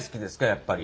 やっぱり。